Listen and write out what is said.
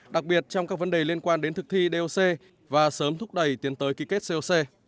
đặc biệt trong các vấn đề liên quan đến thực thi doc và sớm thúc đẩy tiến tới ký kết coc